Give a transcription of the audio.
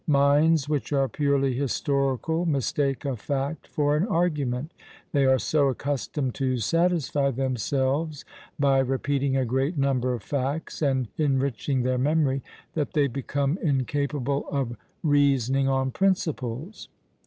"Minds which are purely historical mistake a fact for an argument; they are so accustomed to satisfy themselves by repeating a great number of facts and enriching their memory, that they become incapable of reasoning on principles.